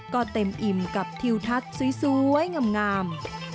ก็เต็มอิ่มกับทิวทัศน์สวยงาม